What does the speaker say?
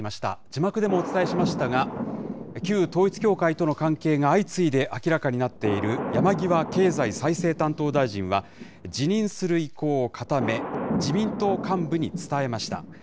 字幕でもお伝えしましたが、旧統一教会との関係が相次いで明らかになっている山際経済再生担当大臣は、辞任する意向を固め、自民党幹部に伝えました。